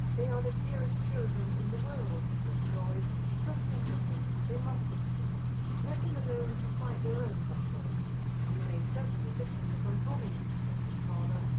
"They are the dearest children in the world," says Joyce. "Don't think of them. They must succeed. Let them alone to fight their own battles." "You may certainly depend upon Tommy," says his father.